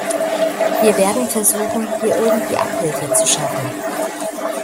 Wir werden versuchen, hier irgendwie Abhilfe zu schaffen.